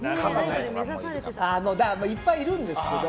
いっぱいいるんですけど。